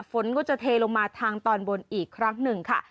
ฝนก็จะเทลงมาทางตอนบนอีกครั้งหนึ่งค่ะ